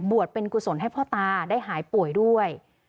เป็นกุศลให้พ่อตาได้หายป่วยด้วย